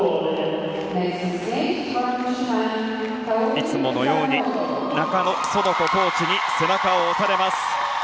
いつものように中野園子コーチに背中を押されます。